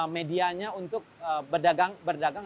medianya untuk berdagang